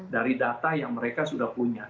dari data yang mereka sudah punya